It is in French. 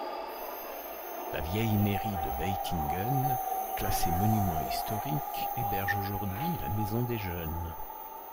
La vieille mairie de Beihingen, classée monument historique, héberge aujourd’hui la maison des jeunes.